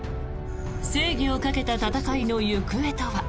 正義をかけた戦いの行方とは。